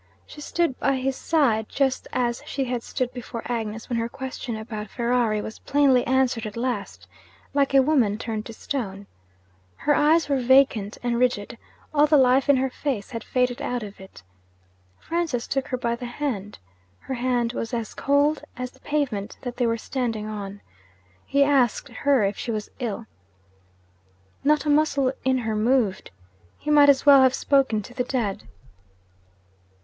She stood by his side just as she had stood before Agnes when her question about Ferrari was plainly answered at last like a woman turned to stone. Her eyes were vacant and rigid; all the life in her face had faded out of it. Francis took her by the hand. Her hand was as cold as the pavement that they were standing on. He asked her if she was ill. Not a muscle in her moved. He might as well have spoken to the dead.